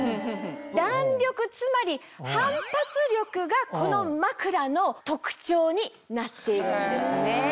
つまり反発力がこの枕の特徴になっているんですね。